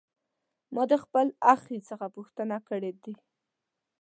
ما د خپل اخښي څخه پوښتنې کړې دي.